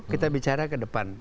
kita bicara ke depan